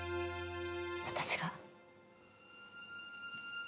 私が。